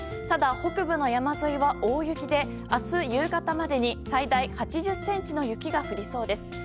ただ、北部の山沿いは大雪で明日夕方までに最大８０ｃｍの雪が降りそうです。